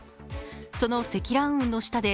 その積乱雲の下で